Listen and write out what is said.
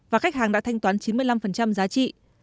và khách hàng đã thanh toán chín mươi năm giá trị